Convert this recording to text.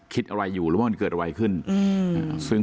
คิดอะไรอยู่หรือว่ามันเกิดอะไรขึ้น